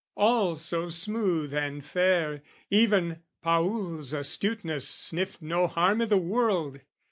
All so smooth and fair, Even Paul's astuteness sniffed no harm i' the world.